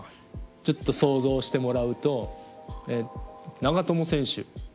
ちょっと想像してもらうと長友選手